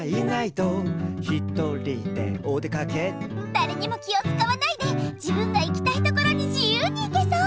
だれにも気をつかわないで自分が行きたいところに自由に行けそう！